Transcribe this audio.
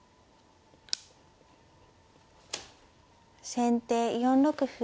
先手４六歩。